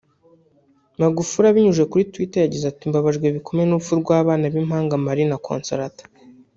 Magufuli abinyujije kuri Twitter ye yagize ati “Mbabajwe bikomeye n’urupfu rw’ abana b’impanga Maria na Consolata